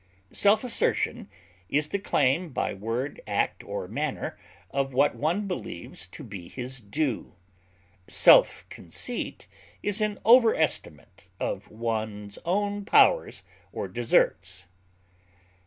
Self assertion is the claim by word, act, or manner of what one believes to be his due; self conceit is an overestimate of one's own powers or deserts.